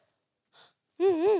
うんうん。